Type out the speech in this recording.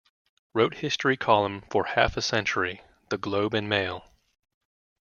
"Wrote history column for half a century" The Globe and Mail.